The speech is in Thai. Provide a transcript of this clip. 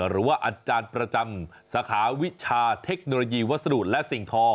หรือว่าอาจารย์ประจำสาขาวิชาเทคโนโลยีวัสดุและสิ่งทอง